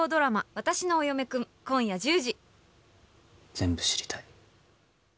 全部知りたい。